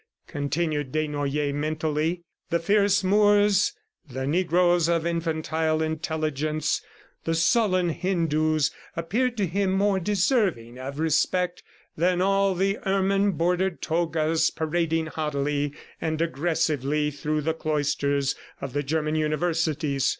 continued Desnoyers mentally. The fierce Moors, the negroes of infantile intelligence, the sullen Hindus, appeared to him more deserving of respect than all the ermine bordered togas parading haughtily and aggressively through the cloisters of the German universities.